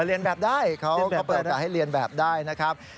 เรียนแบบได้เขาเปิดโอกาสให้เรียนแบบได้นะครับ